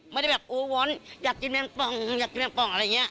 ไม่ได้แบบโอ้วอนอยากกินแมงป่องอยากกินแมงป่องอะไรอย่างนี้